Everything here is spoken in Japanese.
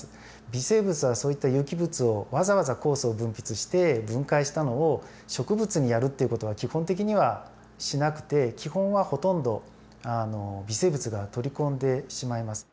微生物はそういった有機物をわざわざ酵素を分泌して分解したのを植物にやるっていう事は基本的にはしなくて基本はほとんど微生物が取り込んでしまいます。